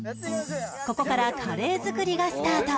ここからカレー作りがスタート